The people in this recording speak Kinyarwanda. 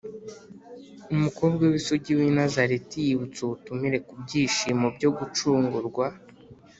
umukobwa w’isugi w’i nazareti yibutsa ubutumire kubyishimo by’ugucungurwa: